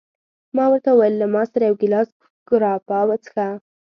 ما ورته وویل: له ما سره یو ګیلاس ګراپا وڅښه.